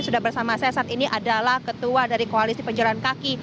sudah bersama saya saat ini adalah ketua dari koalisi penjalan kaki